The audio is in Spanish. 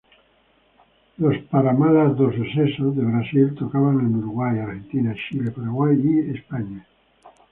Los Paralamas do Sucesso de Brasil tocaban en Uruguay, Argentina, Chile, Paraguay y España.